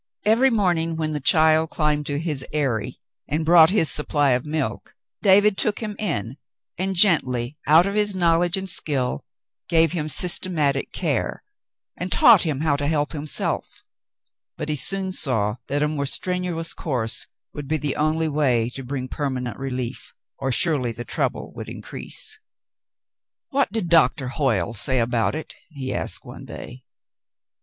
Every morning when the child climbed to his eyrie and brought his supply of milk, David took him in and gently, out of his knowledge and skill, gave him systematic care, and taught him how to help himself; but he soon saw that a more strenuous course would be the only way to bring permanent relief, or surely the trouble would in crease. '*What did Doctor Hoyle say about it?" he asked one day.